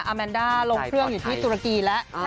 แมนด้าลงเครื่องอยู่ที่ตุรกีแล้ว